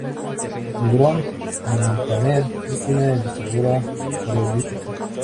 Negrón-Muntaner es una investigadora prolífica.